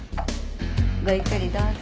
ごゆっくりどうぞ。